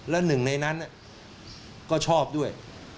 และหนึ่งในนั้นก็ชอบด้วย